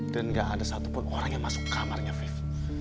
dan gak ada satupun orang yang masuk kamarnya fif